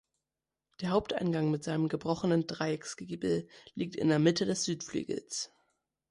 Der Haupteingang mit seinem gebrochenen Dreiecksgiebel liegt in der Mitte des Südflügels.